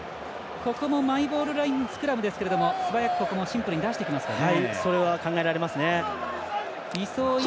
マイボールラインスクラムですが素早くシンプルに出してきますかね。